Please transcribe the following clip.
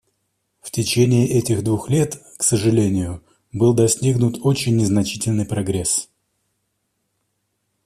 В течение этих двух лет, к сожалению, был достигнут очень незначительный прогресс.